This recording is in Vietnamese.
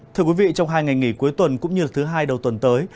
thưa quý vị trong hai ngày nghỉ cuối tuần cũng như thứ hai đầu tuần tới